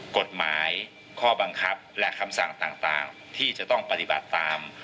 กฎหมายข้อบังคับและคำสั่งต่างที่จะต้องปฏิบัติตาม